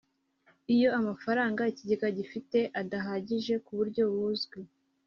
Iyo amafaranga Ikigega gifite adahagije ku buryo buzwi